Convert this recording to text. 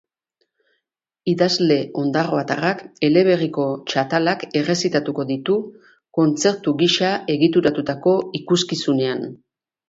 Idazle ondarroatarrak eleberriko txatalak errezitatuko ditu, kontzertu gisa egituratutako ikuskizunean.